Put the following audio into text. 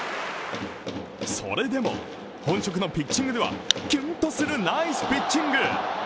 それでも本職のピッチングではキュンとするナイスピッチング。